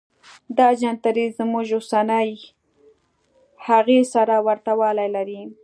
دا جنتري زموږ اوسنۍ هغې سره ورته والی لري.